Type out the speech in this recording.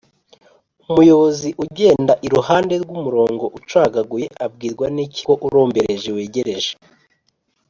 umuyobozi ugenda iruhande rw’umurongo ucagaguye abwirwa niki ko urombereje wegereje?